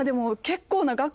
結構な額。